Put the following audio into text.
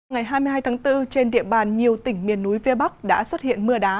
ngày hai mươi hai tháng bốn trên địa bàn nhiều tỉnh miền núi phía bắc đã xuất hiện mưa đá